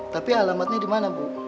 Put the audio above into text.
tapi alamatnya dimana bu